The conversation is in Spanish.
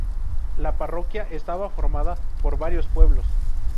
La parroquia estaba formada por varios pueblos.